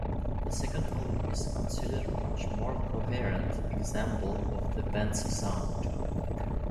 The second album is considered a much more coherent example of the band's sound.